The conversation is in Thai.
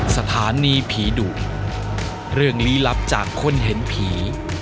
สถานีผีดุเรื่องลี้ลับจากคนเห็นผี